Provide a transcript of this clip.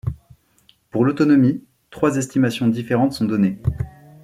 Pour l'autonomie, trois estimations différentes sont données.